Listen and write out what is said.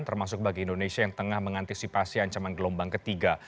termasuk bagi indonesia yang tengah mengantisipasi ancaman gelombang ketiga